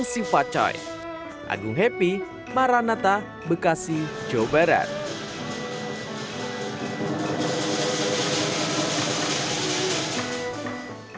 berharap pandemi bisa berakhir di tahun macan air kali ini